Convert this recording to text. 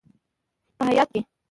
په هیات کې: